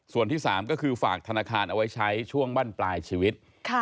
ส่วนที่๓ก็คือฝากธนาคารเอาไว้ใช้ช่วงบั้นปลายชีวิต